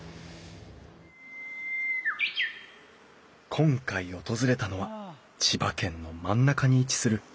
今回訪れたのは千葉県の真ん中に位置する長南町。